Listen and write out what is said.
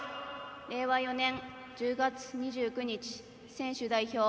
令和４年１０月２９日選手代表